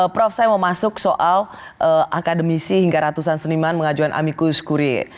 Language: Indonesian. prof saya mau masuk soal akademisi hingga ratusan seniman mengajukan amikus kurir